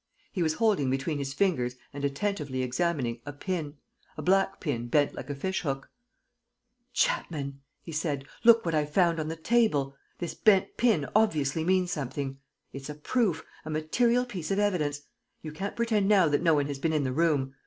He was holding between his fingers and attentively examining a pin, a black pin bent like a fish hook: "Chapman," he said, "look what I've found on the table. This bent pin obviously means something. It's a proof, a material piece of evidence. You can't pretend now that no one has been in the room.